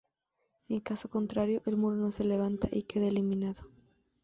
En caso contrario, el muro no se levanta y queda eliminado.